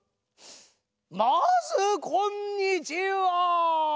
まずこんにちは。